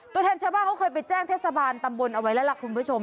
ตัวแทนชาวบ้านเขาเคยไปแจ้งเทศบาลตำบลเอาไว้แล้วล่ะคุณผู้ชม